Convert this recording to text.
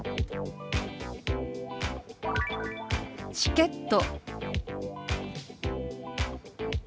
「チケット」。